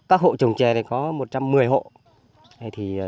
các hộ trồng chè này có một trăm một mươi hộ